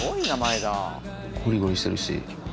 ゴリゴリしてるし。